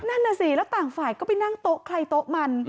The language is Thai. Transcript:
นั่นน่ะสิแล้วต่างฝ่ายก็ไปนั่งโต๊ะใครโต๊ะมัน